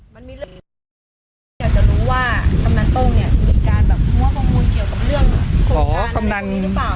อยากจะรู้ว่ากำนันตรงเนี่ยมีการหัวประมูลเกี่ยวกับเรื่องโครงการนั้นหรือเปล่า